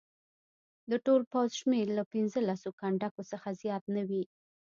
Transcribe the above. د ټول پوځ شمېر له پنځه لسو کنډکو څخه زیات نه وي.